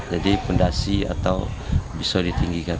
jadi pendasi atau bisa ditinggikan